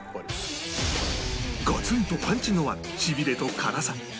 ガツンとパンチのあるしびれと辛さ